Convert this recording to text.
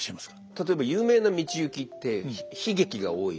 例えば有名な道行きって悲劇が多い。